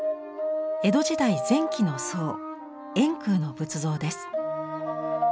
江戸時代前期の僧円空の仏像です。